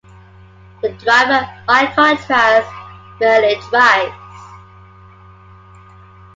The driver, by contrast, merely drives.